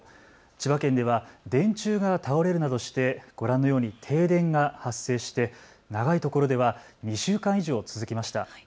千葉県では電柱が倒れるなどしてご覧のように停電が発生して長いところでは２週間以上続きました。